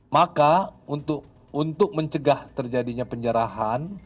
maka untuk mencegah terjadinya penjarahan